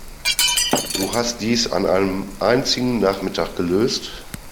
Du hast dies an einem einzigen Nachmittag gelöst?